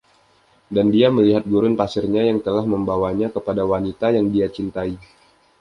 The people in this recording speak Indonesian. Dan dia melihat gurun pasirnya yang telah membawanya kepada wanita yang dia cintai.